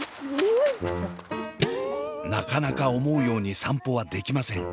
なかなか思うように散歩はできません。